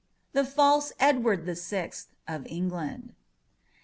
THE FALSE EDWARD THE SIXTH OF ENGLAND.